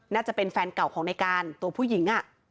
น่าจะเป็นแฟนเก่าของในการตัวผู้หญิง